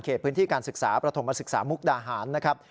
พื้นที่การศึกษาประถมศึกษามุกดาหารนะครับ